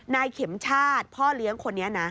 นายเข็มชาติพ่อเลี้ยงคนนี้นะ